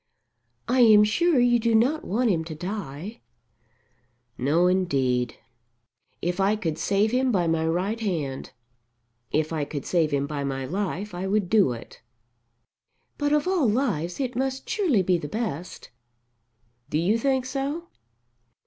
"I am sure you do not want him to die." "No, indeed. If I could save him by my right hand, if I could save him by my life, I would do it." "But of all lives it must surely be the best." "Do you think so?